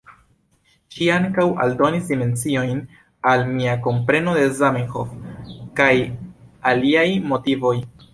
Ŝi ankaŭ aldonis dimensiojn al mia kompreno de Zamenhof kaj liaj motivoj.